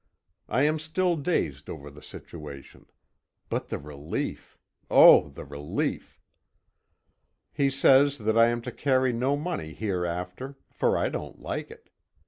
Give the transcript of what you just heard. I am still dazed over the situation. But the relief! Oh, the relief! He says that I am to carry no money hereafter, for I don't like it.